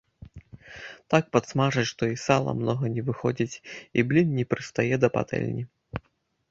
Так падсмажыць, што і сала многа не выходзіць і блін не прыстае да патэльні.